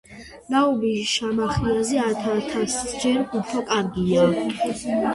ნაუმი შამახიაზე ათიათასჯერ უფრო კარგია